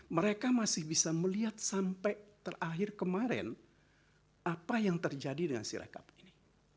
mereka masih bisa melihat sampai terakhir kemarin apa yang terjadi dengan si rekap ini